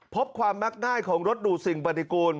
พบความมักง่ายของรถดูดสิ่งปฏิกูล